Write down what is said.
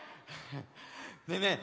ねえねえ